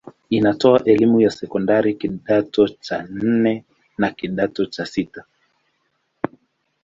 Inatoa elimu ya sekondari kidato cha nne na kidato cha sita.